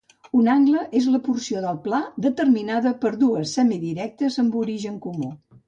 Un angle és la porció del pla determinada per dues semirectes amb origen comú